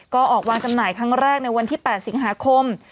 ก็ออกวางจำหน่ายครั้งแรกในวันที่๘สิงหาคม